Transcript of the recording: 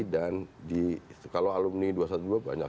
dan kalau alumni dua ratus dua belas banyak